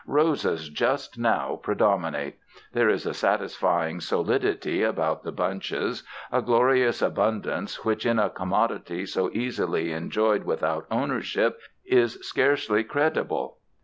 Roses just now predominate. There is a satisfying solidity about the bunches, a glorious abundance which, in a commodity so easily enjoyed without ownership, is scarcely credible.